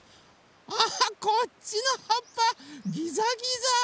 あこっちのはっぱギザギザ！